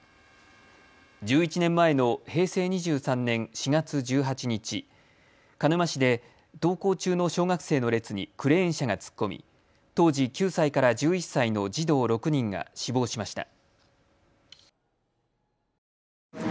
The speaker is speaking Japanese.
１１年前の平成２３年４月１８日、鹿沼市で登校中の小学生の列にクレーン車が突っ込み当時９歳から１１歳の児童６人が死亡しました。